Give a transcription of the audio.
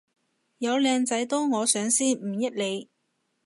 有靚仔都我上先唔益你